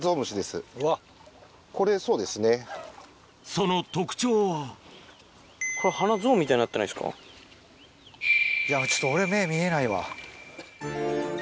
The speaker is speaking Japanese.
その特徴はヤベェちょっと俺目見えないわ。